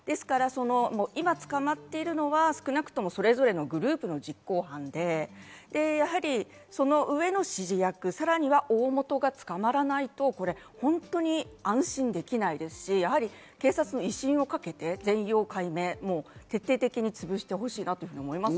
今、捕まっているのは少なくともそれぞれのグループの実行犯で、その上の指示役、さらに大元が捕まらないと、本当に安心できないですし、警察の威信をかけて全容解明、徹底的に潰してほしいなと思います。